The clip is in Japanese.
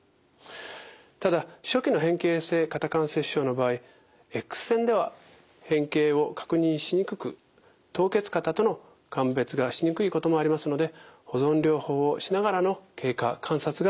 ただ初期の変形性肩関節症の場合Ｘ線では変形を確認しにくく凍結肩との鑑別がしにくいこともありますので保存療法をしながらの経過観察が大切です。